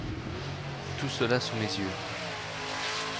Tout cela sous mes yeux.